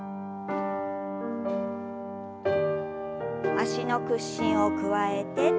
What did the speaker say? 脚の屈伸を加えて。